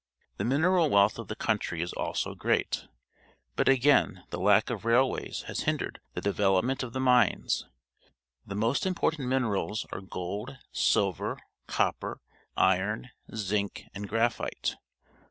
The mineral wealth of the country is also great, but again the lack of railwaj^s has hindered the development of the mines. The most im portant minerals are gold, silver, copper, iron, zinc, and grapliite.